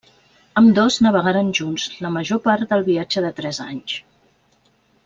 Ambdós navegaren junts la major part del viatge de tres anys.